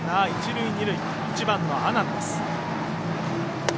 １番の阿南です。